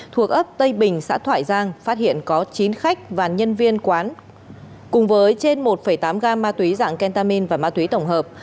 thuộc ấp tây bình xã thoại giang phát hiện có chín khách và nhân viên cùng với trên một tám gam ma túy dạng kentamin và ma túy tổng hợp